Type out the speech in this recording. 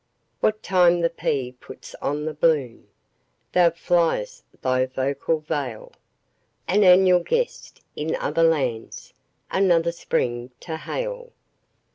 What time the pea puts on the bloom, Thou fliest thy vocal vale, An annual guest in other lands, Another spring to hail.